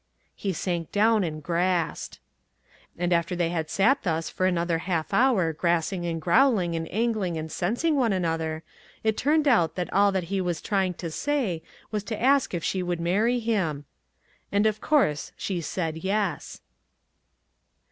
He sank down and grassed. And after they had sat thus for another half hour grassing and growling and angling and sensing one another, it turned out that all that he was trying to say was to ask if she would marry him. And of course she said yes.